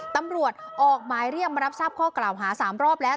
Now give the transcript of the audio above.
ตำรวจออกหมายเรียกมารับทราบข้อกล่าวหา๓รอบแล้ว